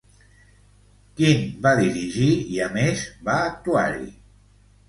Quin va dirigir i a més va actuar-hi?